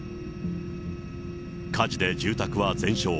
火事で住宅は全焼。